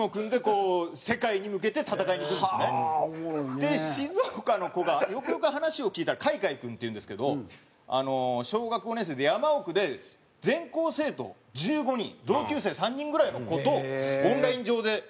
で静岡の子がよくよく話を聞いたらカイカイ君っていうんですけど小学５年生で山奥で全校生徒１５人同級生３人ぐらいの子とオンライン上でやるんですけど。